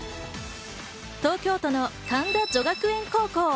東京都の神田女学園高校。